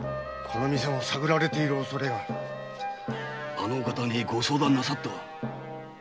あのお方にご相談なさっては？